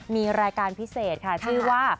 มีรายการพิเศษค่ะชื่อว่า